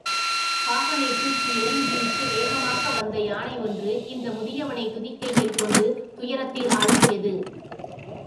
பாகனைத் தூக்கி எறிந்து விட்டு வேகமாக வந்த யானை ஒன்று இந்த முதியவனைத் துதிக்கையில் கொண்டு துயரத்தில் ஆழ்த்தியது.